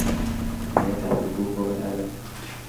Naetab tukuk ko kararan